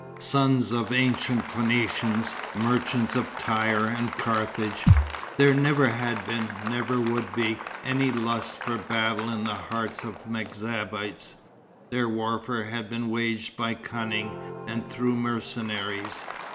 Sons of ancient Phoenicians, merchants of Tyre and Carthage, there never had been, never would be, any lust for battle in the hearts of the M'Zabites. Their warfare had been waged by cunning, and through mercenaries.